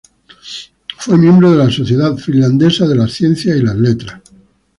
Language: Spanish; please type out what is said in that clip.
Fue miembro de la Sociedad finlandesa de las ciencias y las letras.